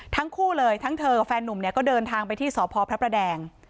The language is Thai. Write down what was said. ทั้งคู่เลยทั้งเธอกับแฟนหนุ่มก็เผยเดินทางไปที่สพพะแปรแดง